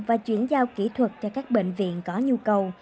và chuyển giao kỹ thuật cho các bệnh viện có nhu cầu